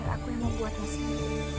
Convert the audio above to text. aku yang membuatnya sendiri